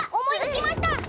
思いつきました！